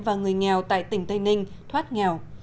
và người nghèo tại tỉnh tây ninh thoát nghèo